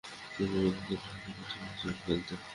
তিনি মূলতঃ ডানহাতি ব্যাটসম্যান হিসেবে খেলতেন।